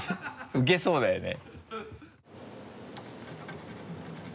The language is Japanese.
ウケそうだよね。